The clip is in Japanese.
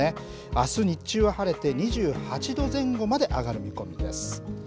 あす日中は晴れて、２８度前後まで上がる見込みです。